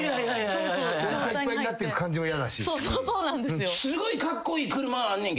おなかいっぱいになってく感じもやだし。